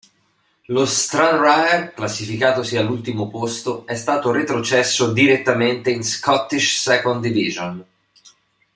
Lo Stranraer, classificatosi all'ultimo posto, è stato retrocesso direttamente in Scottish Second Division.